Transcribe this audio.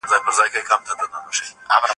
صفوي دربار د کندهار د سقوط وروسته څه وکړل؟